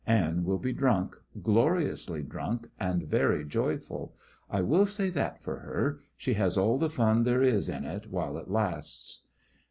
Anne will be drunk gloriously drunk and very joyful. I will say that for her. She has all the fun there is in it while it lasts."